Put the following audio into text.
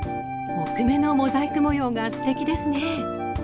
木目のモザイク模様がすてきですね。